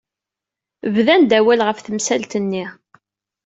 Bdan-d awal ɣef temsalt-nni.